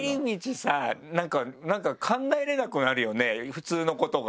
普通のことが。